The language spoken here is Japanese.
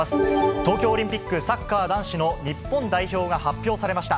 東京オリンピック、サッカー男子の日本代表が発表されました。